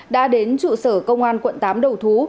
đã đến trụ sở công an quận tám đầu thú